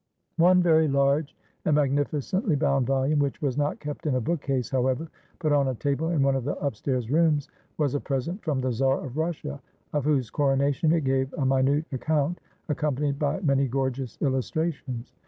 One very large and magnificently bound volume, which was not kept in a bookcase, however, but on a table in one of the upstairs rooms, was a present from the Czar of Russia, of whose coronation it gave a minute account, accompanied by many gorgeous illustrations.